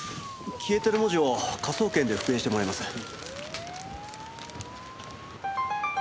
消えてる文字を科捜研で復元してもらいます。